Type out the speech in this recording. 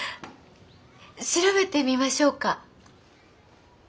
調べてみましょうか。